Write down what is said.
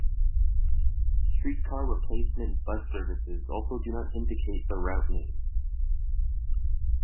Streetcar-replacement bus services also do not indicate the route name.